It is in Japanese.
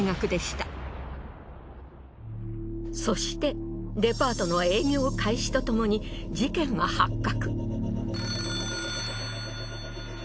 そしてデパートの営業開始とともに事件が発覚。